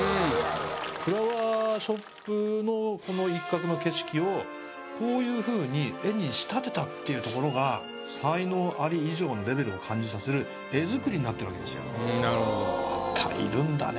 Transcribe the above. フラワーショップのこの一角の景色をこういうふうに絵に仕立てたっていうところが才能アリ以上のレベルを感じさせる絵作りになってるわけですよ。